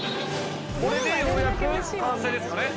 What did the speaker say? これでようやく完成ですかね。